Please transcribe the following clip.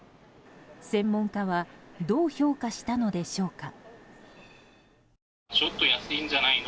専門家はどう評価したのでしょうか。